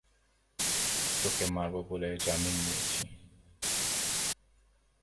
তোকে মারব বলে জামিন নিয়েছি।